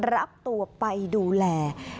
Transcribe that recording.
รับตัวไปดูแล